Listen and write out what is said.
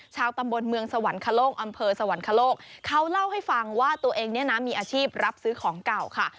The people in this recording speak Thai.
ชาวตำบลเมืองสวรรคโลกอำเภอสวรรคโลกเขาเล่าให้ฟังว่าตัวเองเนี่ยนะมีอาชีพรับซื้อของเก่าค่ะ